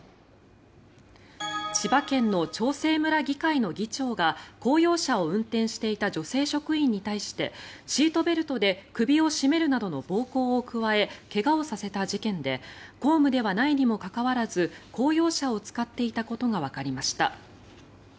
千葉県の長生村議会の議長が公用車を運転していた女性職員に対してシートベルトで首を絞めるなどの暴行を加え怪我をさせた事件で公務ではないにもかかわらず公用車を使っていたことがわかりました。